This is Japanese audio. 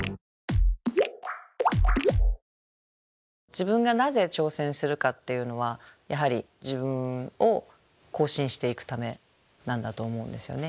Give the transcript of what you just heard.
自分がなぜ挑戦するかっていうのはやはり自分を更新していくためなんだと思うんですよね。